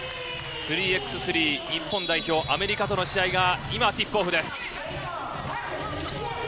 ３ｘ３日本代表、アメリカとの試合が今、ティップオフです。